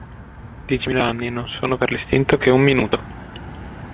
Diecimila anni non sono per l'istinto che un minuto.